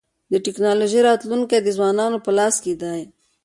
د ټکنالوژۍ راتلونکی د ځوانانو په لاس کي دی.